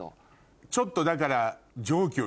ちょっとだから。